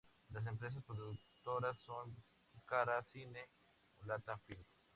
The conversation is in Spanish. Las empresas productoras son Pucará Cine, Mulata Films.